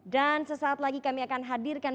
dan sesaat lagi kami akan hadirkan